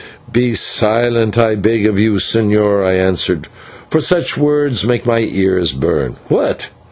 "Be silent, I beg of you, señor," I answered, "for such words make my ears burn. What!